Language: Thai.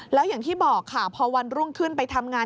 แล้วอย่างที่บอกค่ะพอวันรุ่งขึ้นไปทำงาน